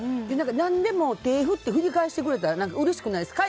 何でも手を振って振り返してくれたらうれしくないですか？